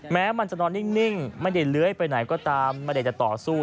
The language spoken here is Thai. แม้มันจะนอนนิ่งไม่ได้เลื้อยไปไหนก็ตามไม่ได้จะต่อสู้